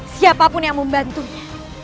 siapapun yang membantunya